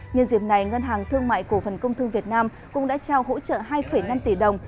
nhân dịp này ngân hàng thương mại cổ phần công thương việt nam cũng đã trao hỗ trợ hai năm tỷ đồng